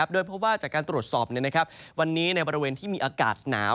เพราะว่าจากการตรวจสอบวันนี้ในบริเวณที่มีอากาศหนาว